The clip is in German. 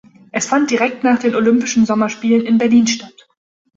Es fand direkt nach den Olympischen Sommerspielen in Berlin statt.